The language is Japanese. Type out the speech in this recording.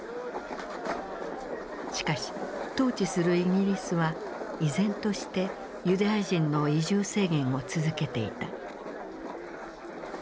しかし統治するイギリスは依然としてユダヤ人の移住制限を続けていた。